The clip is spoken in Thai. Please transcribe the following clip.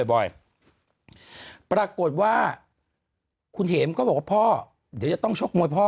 ปรากฏว่าคุณเห็มก็บอกว่าพ่อเดี๋ยวจะต้องชกมวยพ่อ